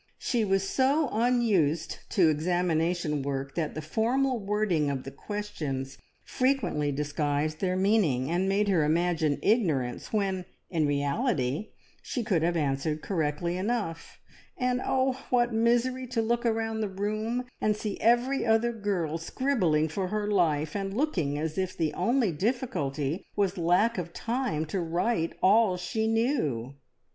She was so unused to examination work that the formal wording of the questions frequently disguised their meaning, and made her imagine ignorance when in reality she could have answered correctly enough; and oh, what misery to look around the room and see every other girl scribbling for her life, and looking as if the only difficulty was lack of time to write all she knew!